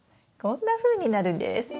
こんなふうになるんです。